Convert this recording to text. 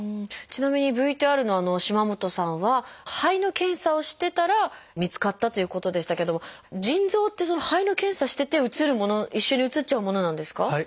ちなみにＶＴＲの島本さんは肺の検査をしてたら見つかったということでしたけれども腎臓って肺の検査してて写るもの一緒に写っちゃうものなんですか？